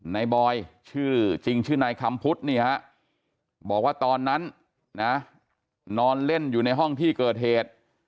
บอยชื่อจริงชื่อนายคำพุทธนี่ฮะบอกว่าตอนนั้นนะนอนเล่นอยู่ในห้องที่เกิดเหตุ